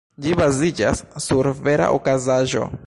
Ĝi baziĝas sur vera okazaĵo.